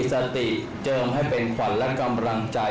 ก็เป็นเรื่องของความเชื่อความศรัทธาเป็นการสร้างขวัญและกำลังใจ